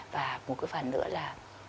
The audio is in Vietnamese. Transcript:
và một cái phần nữa là